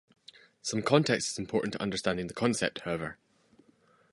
Some context is important to understanding the concept, however.